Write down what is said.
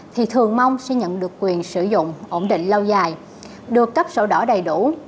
thì thường mong sẽ nhận được quyền sử dụng ổn định lâu dài được cấp sổ đỏ đầy đủ